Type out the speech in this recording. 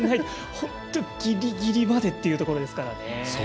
本当ぎりぎりまでというところですから。